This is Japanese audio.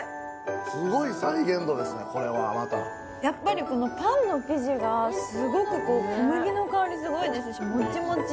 すごい再現度ですな、これはやっぱりパンの生地がすごく小麦の香りすごいですし、もちもち。